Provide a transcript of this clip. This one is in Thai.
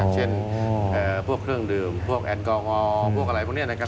เช่นพวกเครื่องดื่มพวกแอลกอฮอลพวกอะไรพวกนี้นะครับ